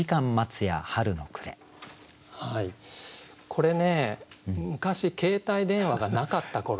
これね昔携帯電話がなかった頃。